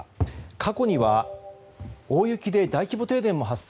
過去には大雪で大規模停電も発生。